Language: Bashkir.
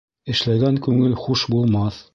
Эшләгән күңел хуш булмаҫ.